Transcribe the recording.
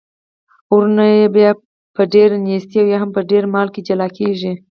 وروڼه یا په ډیره نیستۍ او یا هم په ډیر مال کي جلا کیږي.